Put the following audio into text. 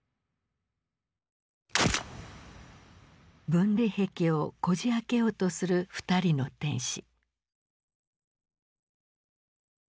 分離壁をこじ開けようとする２人の天使。